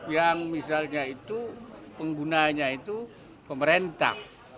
yang misalnya itu penggunanya itu pemerintah